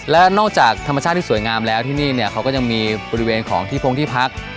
และนอกจากธรรมชาติที่สวยงามแล้วที่นี่เนี่ยเขาก็ยังมีบริเวณของที่พงที่พัก